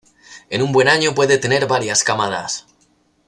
En un buen año pueden tener varias camadas.